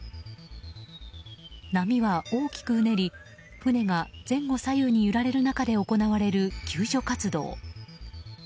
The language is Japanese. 波は大きくうねり船は前後左右に揺られる中で行われる救助活動。